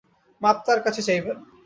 মাপ তাঁর কাছে চাইবেন।